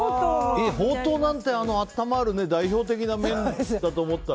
ほうとうなんて温まる代表的な麺だと思ったら。